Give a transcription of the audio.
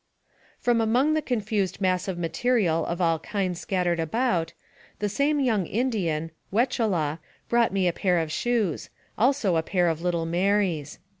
From among the confused mass of material of all kinds scattered about, the same young Indian, We chela, brought me a pair of shoes ; also a pair of little Mary's.